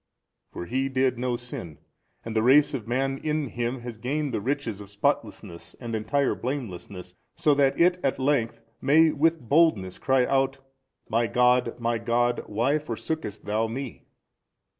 For He did no sin, and the race of man in Him has gained the riches of spotlessness and entire blamelessness, so that it at length may with boldness cry out, My God my God why forsookest Thou me?